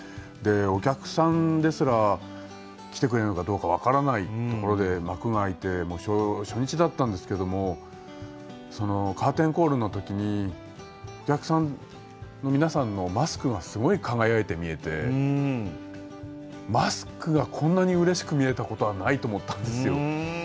お客さんですら来てくれるのかどうか分からないところで幕が開いて初日だったんですけどもカーテンコールの時にお客さんの皆さんのマスクがすごい輝いて見えてマスクがこんなにうれしく見えたことはないと思ったんですよ。